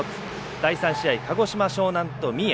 第３試合鹿児島、樟南と三重。